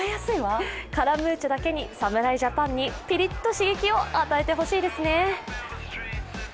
カラムーチョだけに、侍ジャパンにピリッと刺激を与えてほしいですね。